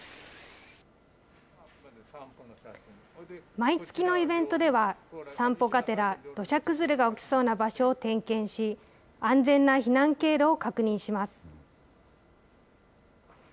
毎月のイベントでは、散歩がてら、土砂崩れが起きそうな場所を点検し、安全な避難経路を確認します。